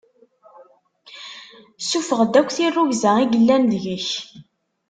Sṣufeɣ-d akk tirrugza i yellan deg-k.